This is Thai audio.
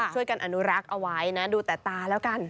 ช่วยกันอนุรักษ์เอาไว้นะดูแต่ตาแล้วกัน